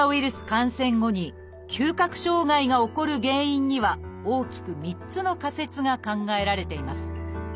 感染後に嗅覚障害が起こる原因には大きく３つの仮説が考えられています。